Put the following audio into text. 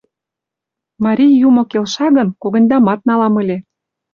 — Марий юмо келша гын, когыньдамат налам ыле.